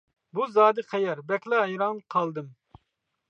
بۇ زادى قەيەر؟ بەكلا ھەيران قالدىم.